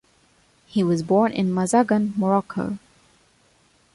He was born in Mazagan, Morocco.